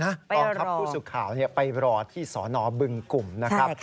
กองทัพผู้สื่อข่าวไปรอที่สนบึงกลุ่มนะครับ